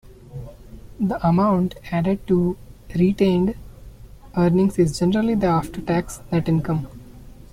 The amount added to retained earnings is generally the after tax net income.